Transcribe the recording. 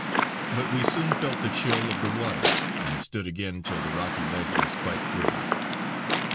But we soon felt the chill of the water and stood again till the rocky ledge was quite free.